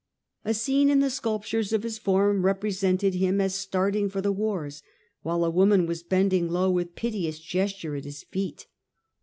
A scene in the sculptures later ages. forum represented him as starting for the wars, while a woman was bending low with piteous gesture at his feet.